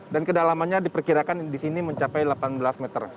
dan kedalamannya diperkirakan di sini mencapai delapan belas meter